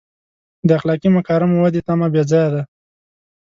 د اخلاقي مکارمو ودې تمه بې ځایه ده.